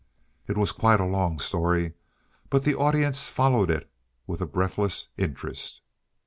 It was quite a long story, but the audience followed it with a breathless interest.